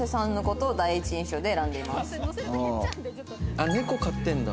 あっ猫飼ってるんだ。